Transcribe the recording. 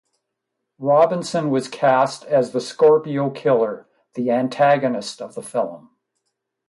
Robinson was cast as the Scorpio Killer, the antagonist of the film.